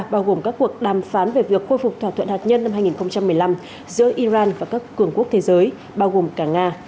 bao gồm các cuộc đàm phán về việc khôi phục thỏa thuận hạt nhân năm hai nghìn một mươi năm giữa iran và các cường quốc thế giới bao gồm cả nga